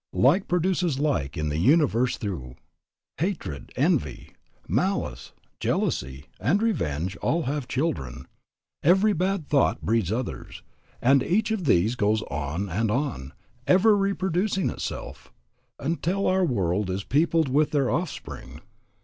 "Like produces like the universe through. Hatred, envy, malice, jealousy, and revenge all have children. Every bad thought breeds others, and each of these goes on and on, ever reproducing itself, until our world is peopled with their offspring.